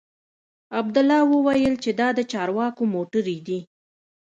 عبدالله وويل چې دا د چارواکو موټرې دي.